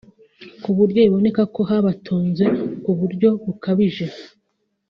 ku buryo biboneka ko habatonze ku buryo bukabije